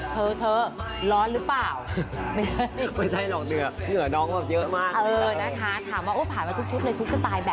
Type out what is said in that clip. เธอเธอร้อนรึเปล่า